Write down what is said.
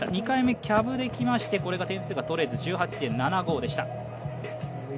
２回目、キャブできましてこれが点数が取れず１８．７５でした。